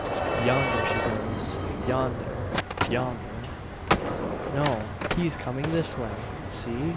"Yonder he goes yonder! yonder!" "No, he's coming this way! See!